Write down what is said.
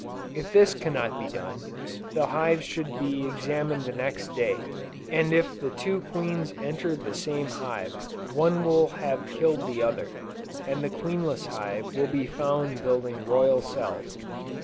If this cannot be done, the hives should be examined the next day, and if the two queens entered the same hive, one will have killed the other, and the queenless hive will be found building royal cells.